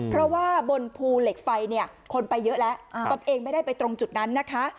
เพราะว่าบนภูเหล็กไฟเนี่ยคนไปเยอะแล้วตนเองไม่ได้ไปตรงจุดนั้นนะคะ